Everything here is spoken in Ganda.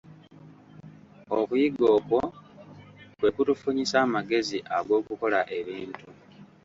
Okuyiga okwo kwe kutufunyisa amagezi ag'okukola ebintu.